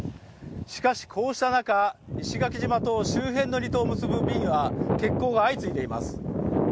しかし、こうした中、石垣島と周辺の離島を結ぶ便は欠航が相次いでいます。